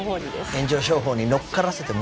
炎上商法に乗っからせてもらおうぜ。